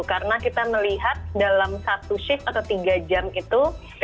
karena kita melihat dalam satu shift atau tiga jam itu